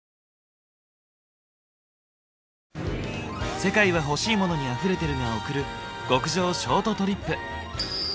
「世界はほしいモノにあふれてる」が贈る極上ショートトリップ。